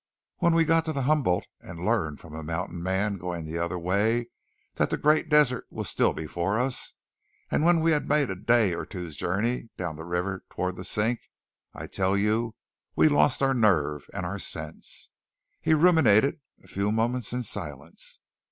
When we got to the Humboldt and learned from a mountain man going the other way that the great desert was still before us, and when we had made a day or two's journey down the river toward the Sink, I tell you we lost our nerve and our sense." He ruminated a few moments in silence.